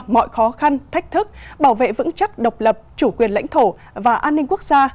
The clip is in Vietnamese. mọi khó khăn thách thức bảo vệ vững chắc độc lập chủ quyền lãnh thổ và an ninh quốc gia